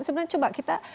sebenarnya coba kita